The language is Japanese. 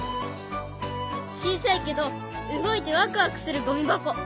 小さいけど動いてワクワクするゴミ箱！